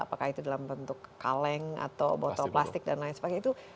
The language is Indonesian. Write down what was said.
apakah itu dalam bentuk kaleng atau botol plastik dan lain sebagainya